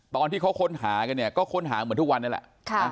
ตอนที่เขาค้นหากันเนี่ยก็ค้นหาเหมือนทุกวันนี้แหละ